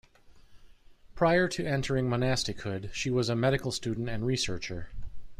Prior to entering monastichood, she was a medical student and researcher.